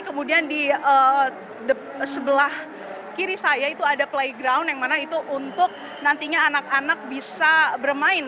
kemudian di sebelah kiri saya itu ada playground yang mana itu untuk nantinya anak anak bisa bermain